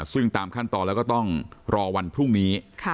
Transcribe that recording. ซึ่งตามขั้นตอนแล้วก็ต้องรอวันพรุ่งนี้